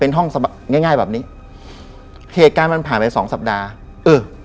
เป็นห้องง่ายง่ายแบบนี้เหตุการณ์มันผ่านไปสองสัปดาห์เออ